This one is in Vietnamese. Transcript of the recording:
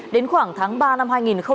đến khoảng tháng ba năm hai nghìn hai mươi